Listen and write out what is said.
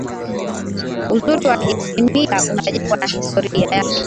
uzuri wa isimila unajengwa na historia yake